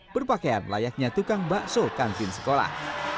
berpakaian layaknya tukang bakso kantin sekolah